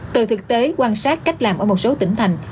từ thực tế quan sát cách làm ở một số tỉnh thành